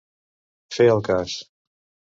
Fer al cas.